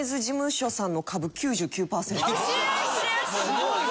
すごいね。